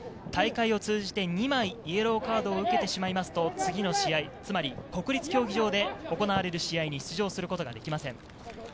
大会を通じて２枚イエローカードを受けてしまいますと次の試合、つまり国立競技場で行われる試合に出場することができません。